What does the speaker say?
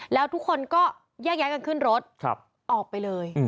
แล้วทุกคนก็แยกย้ายกันขึ้นรถออกไปเลย